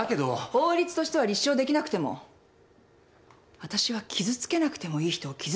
法律としては立証できなくてもわたしは傷つけなくてもいい人を傷つけた。